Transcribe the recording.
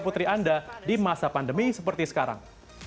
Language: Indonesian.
putri anda di masa pandemi seperti sekarang